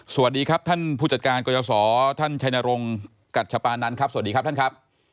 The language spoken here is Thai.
สวัสดีครับท่านผู้จัดการกรยศท่านชัยนรงค์กัชปานันครับสวัสดีครับท่านครับ